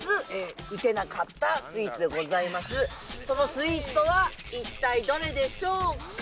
そのスイーツとは一体どれでしょうか？